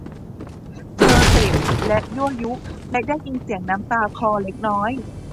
เธอเตะและยั่วยุ และได้ยินเสียงน้ำตาคลอเล็กน้อย